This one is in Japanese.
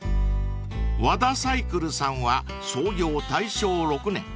［和田サイクルさんは創業大正６年］